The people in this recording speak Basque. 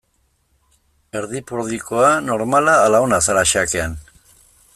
Erdipurdikoa, normala ala ona zara xakean?